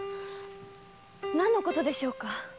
何の事でしょうか？